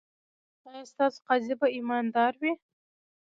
ایا ستاسو قاضي به ایماندار وي؟